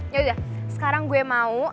yaudah sekarang gue mau